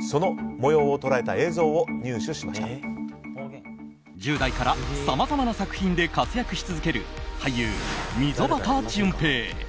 その模様を捉えた映像を１０代からさまざまな作品で活躍し続ける俳優・溝端淳平。